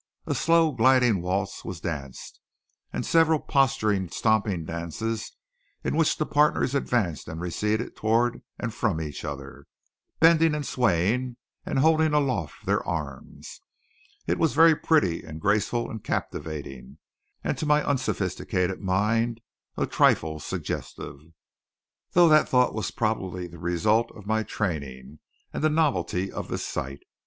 A slow, gliding waltz was danced, and several posturing, stamping dances in which the partners advanced and receded toward and from each other, bending and swaying and holding aloft their arms. It was very pretty and graceful and captivating; and to my unsophisticated mind a trifle suggestive; though that thought was probably the result of my training and the novelty of the sight.